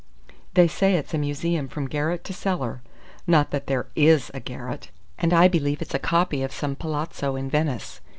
They say it's a museum from garret to cellar (not that there is a garret!), and I believe it's a copy of some palazzo in Venice.